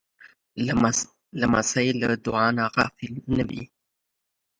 لمسی له دعا نه غافل نه وي.